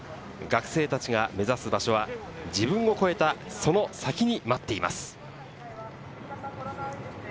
学生たちが目指す場所は自分を超えたその先に待っています。